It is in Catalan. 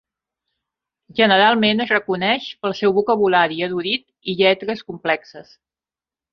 Generalment es reconeix pel seu vocabulari erudit i lletres complexes.